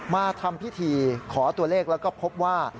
มาทำพิธีขอตัวเลขแล้วก็พบว่า